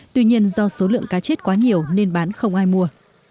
tuy nhiên do số lượng cá chết quá nhiều nên bán không ai mua